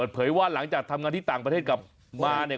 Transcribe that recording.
เผยว่าหลังจากทำงานที่ต่างประเทศกลับมาเนี่ย